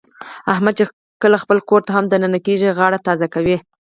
احمد چې کله خپل کورته هم د ننه کېږي، غاړه تازه کوي.